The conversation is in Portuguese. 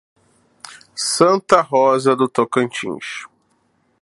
Santa Rosa do Tocantins